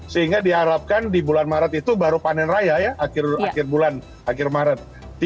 sehingga diharapkan di bulan maret itu baru panen raya ya akhir bulan akhir maret